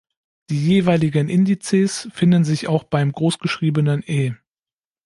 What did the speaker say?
Die jeweiligen Indizes finden sich auch beim groß geschriebenen "E".